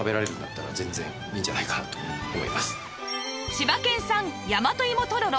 千葉県産大和芋とろろ